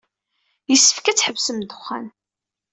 Yessefk ad tḥebsem ddexxan.